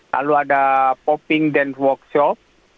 lalu ada popping dan workshop